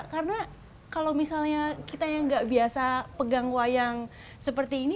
karena kalau misalnya kita yang nggak biasa pegang wayang seperti ini